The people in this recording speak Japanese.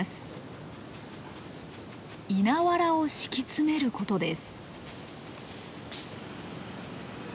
稲わらを敷き詰めることです。